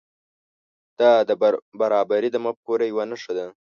دا د برابري د مفکورې یو نښه ده.